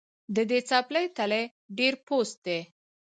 د دې څپلۍ تلی ډېر پوست دی